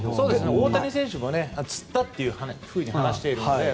大谷選手もつったというふうに話しているので。